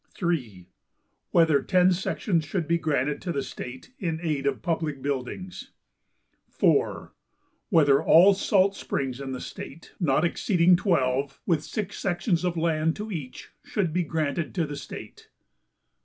3. Whether ten sections should be granted to the state in aid of public buildings. 4. Whether all salt springs in the state, not exceeding twelve, with six sections of land to each, should be granted to the state.